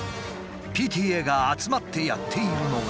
ＰＴＡが集まってやっているのが。